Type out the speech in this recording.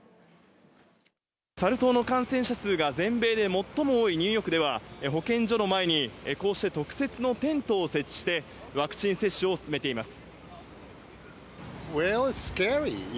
サル痘の感染者数が全米で最も多いニューヨークでは保健所の前に、こうして特設のテントを設置してワクチン接種を進めています。